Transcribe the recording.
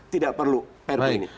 tidak perlu prp ini